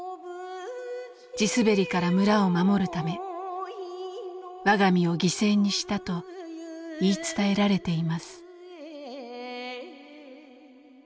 地滑りから村を守るため我が身を犠牲にしたと言い伝えられています。